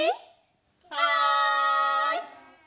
はい！